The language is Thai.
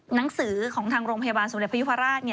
หนังสือของทางโรงพยาบาลสมเด็จพระยุพระราช